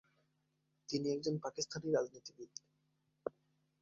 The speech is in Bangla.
তিনি একজন পাকিস্তানি রাজনীতিবিদ।